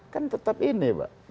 kan tetap ini pak